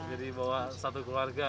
jadi bawa satu keluarga gitu ya